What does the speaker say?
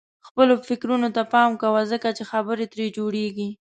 خپلو فکرونو ته پام کوه ځکه چې خبرې ترې جوړيږي.